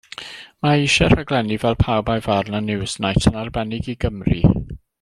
Mae eisiau rhaglenni fel Pawb a'i Farn a Newsnight yn arbennig i Gymru.